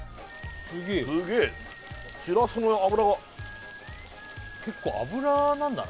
すげえシラスの脂が結構脂なんだな